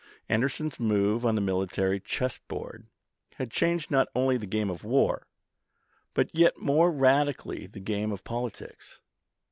Anderson's move on the military chess board had changed not only the game of war, but yet more radically the game of politics.